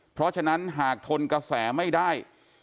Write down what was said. เพราะฉะนั้นหากทนกระแสไม่ได้